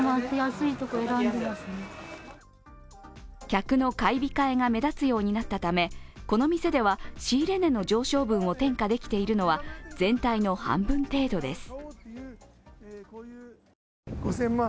客の買い控えが目立つようになったためこの店では仕入れ値の上昇分を転嫁できているのは全体の半分程度です。